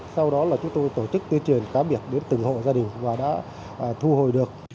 sau đó là chúng tôi tổ chức tuyên truyền cá biệt đến từng hộ gia đình và đã thu hồi được